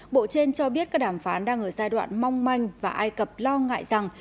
bộ trên cho biết các đàm phán đang ở giai đoạn mong manh và ai cập lo ngại rằng